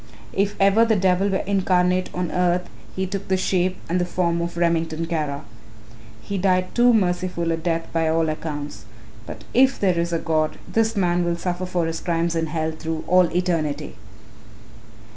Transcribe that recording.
If ever the devil were incarnate on earth he took the shape and the form of Remington Kara. He died too merciful a death by all accounts. But if there is a God, this man will suffer for his crimes in hell through all eternity."